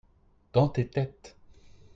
dans tes têtes.